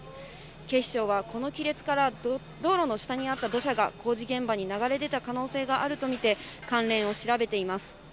警視庁は、この亀裂から道路の下にあった土砂が、工事現場に流れ出た可能性があると見て、関連を調べています。